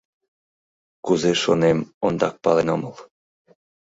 Кузе, шонем, ондак пален омыл.